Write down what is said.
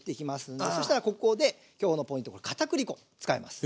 そしたらここで今日のポイントかたくり粉使います。